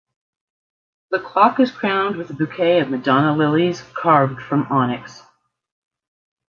The clock is crowned with a bouquet of Madonna lilies, carved from onyx.